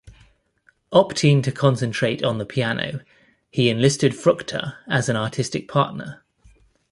Opting to concentrate on the piano, he enlisted Fruchter as an artistic partner.